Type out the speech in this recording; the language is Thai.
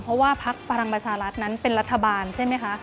เพราะว่าพักพลังประชารัฐนั้นเป็นรัฐบาลใช่ไหมคะ